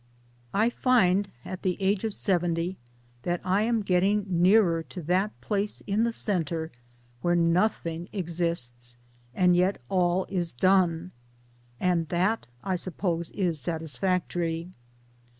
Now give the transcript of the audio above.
I find at the age of seventy that I am getting nearer to that place in the centre where nothing] exists and yet all is done and that I suppose is satisfactory.